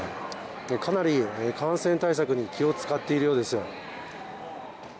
かなり感染対策に気を使っているようですよ。